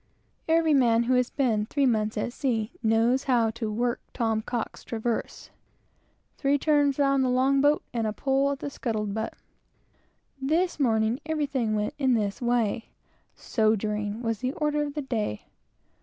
Every man who has been three months at sea knows how to "work Tom Cox's traverse" "three turns round the long boat, and a pull at the scuttled butt." This morning everything went in this way. "Sogering" was the order of the day.